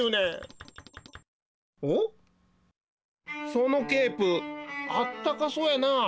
そのケープあったかそうやな。